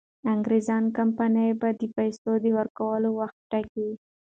انګریزي کمپانۍ به د پیسو د ورکولو وخت ټاکي.